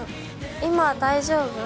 今大丈夫？